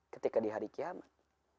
ketika di hari kiamat